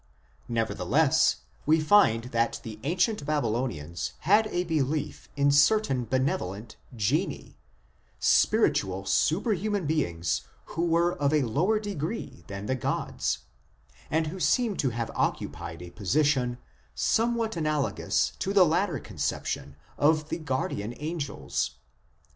Nevertheless, we find that the ancient Babylonians had a belief in certain benevolent genii, spiritual superhuman beings who were of a lower degree than the gods, and who seem to have occupied a position somewhat analogous to the later conception of the guardian angels.